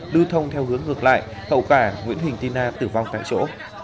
lưu thông theo hướng ngược lại hậu cả nguyễn huỳnh ti na tử vong tại chỗ